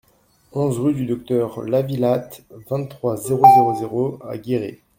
onze rue du Docteur Lavillatte, vingt-trois, zéro zéro zéro à Guéret